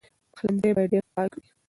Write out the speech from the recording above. پخلنځی باید ډېر پاک وي.